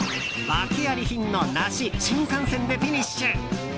ワケあり品のナシ新甘泉でフィニッシュ。